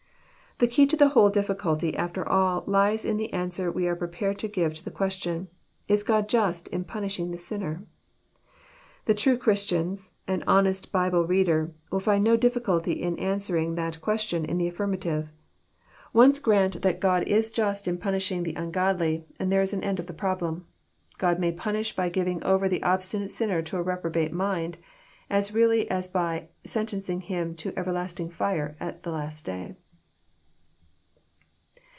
The key to the whole difficulty, after all, lies in the answer we are prepared to give to the question, "Is Grod Just in punishing the sinner?" — The true Christian and honest Bible reader will find no difficulty In answedng that question in the affirmative. Once grant that God is Jast in punishing the un godly, and there is an end of the problem. God may punish by giving over the obstinate sinner to a reprobate mind, as really as by sentencing him to everlasting fire at the last day.